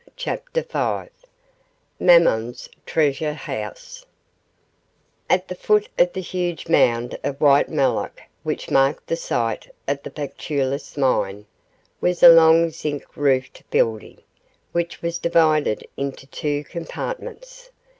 CHAPTER V MAMMON'S TREASURE HOUSE At the foot of the huge mound of white mulloch which marked the site of the Pactolus Mine was a long zinc roofed building, which was divided into two compartments.